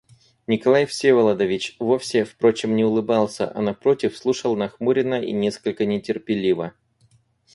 Николай Всеволодович вовсе, впрочем, не улыбался, а, напротив, слушал нахмуренно и несколько нетерпеливо.